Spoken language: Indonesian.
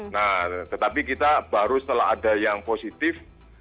nah tetapi kita baru setelah ada yang positif